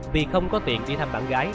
vì không có tiền đi thăm bạn gái